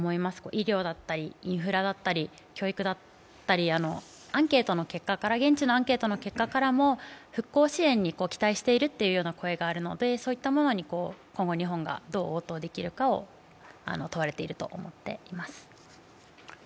医療だったりインフラだったり教育だったり、現地のアンケートの結果からも復興支援に期待しているという声があるのでそういったものに今後日本がどう応答できるか問われていると思っています。